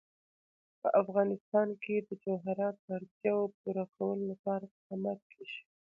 په افغانستان کې د جواهرات د اړتیاوو پوره کولو لپاره اقدامات کېږي.